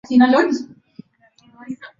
kufwatilia vile viwanda ambavyo madawa hayo yanata